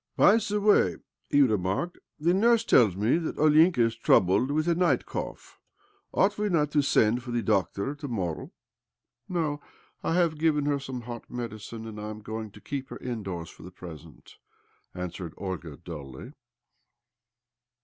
" By the way," he remarked, " the nurse tells me that Olinka is troubled with a night cough. Ought we not to send for the doctor to morrow? "" No. I have given her some hot medi cine, and am going to keep her indoors for the present," answered Olga dully.